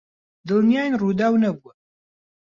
دڵنیاین ڕووداو نەبووە.